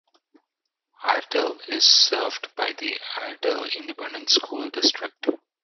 Iredell is served by the Iredell Independent School District.